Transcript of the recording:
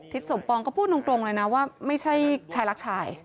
สมปองก็พูดตรงเลยนะว่าไม่ใช่ชายรักชาย